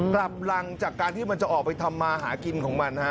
กลับหลังจากการที่มันจะออกไปทำมาหากินของมันฮะ